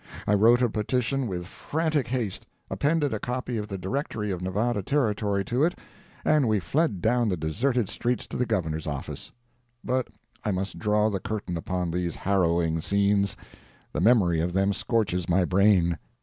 I wrote a petition with frantic haste, appended a copy of the Directory of Nevada Territory to it, and we fled down the deserted streets to the Governor's office. But I must draw the curtain upon these harrowing scenes—the memory of them scorches my brain.